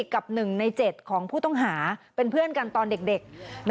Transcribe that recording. กับ๑ใน๗ของผู้ต้องหาเป็นเพื่อนกันตอนเด็ก